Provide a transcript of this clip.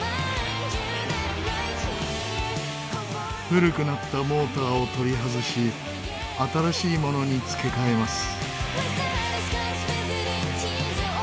古くなったモーターを取り外し新しいものに付け替えます。